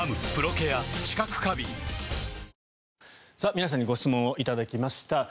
皆さんにご質問を頂きました。